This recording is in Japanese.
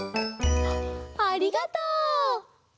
ありがとう！